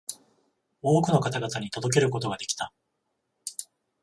多くの方々に届けることができた